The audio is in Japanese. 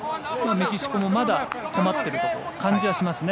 メキシコもまだ困っている感じはしますね。